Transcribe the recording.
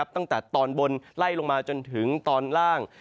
ตั้งแต่ตอนบนไล่ลงมาจนถึงตอนล่าง